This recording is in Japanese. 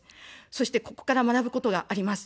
そして、ここから学ぶことがあります。